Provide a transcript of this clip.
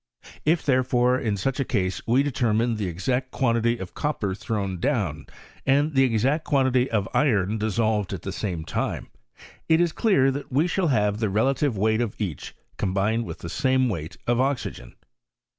If, therefore, in such a case determine the exact quantity of copper thrown prn, and the exact quantity of iron dissolved at i same time, it is clear that we shall have the re ive weight of each combined with the same weight oxygen.